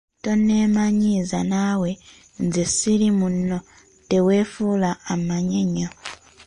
Tonneemanyiiza naawe, nze siri munno teweefuula ammanyi ennyo.